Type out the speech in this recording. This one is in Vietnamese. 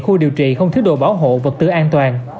khu điều trị không thiếu đồ bảo hộ vật tư an toàn